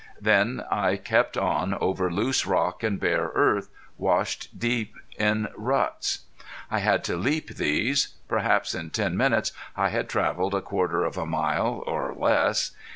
Then I kept on over loose rock and bare earth washed deep in ruts. I had to leap these. Perhaps in ten minutes I had traveled a quarter of a mile or less.